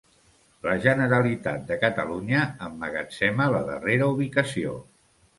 La Generalitat de Catalunya emmagatzema la darrera ubicació.